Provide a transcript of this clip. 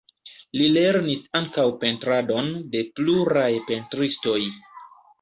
Li lernis ankaŭ pentradon de pluraj pentristoj.